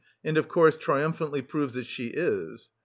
And, of course, triumphantly proves that she is.